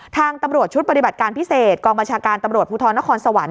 ทางตำรวจชุดปฏิบัติการพิเศษกองบัญชาการตำรวจภูทรนครสวรรค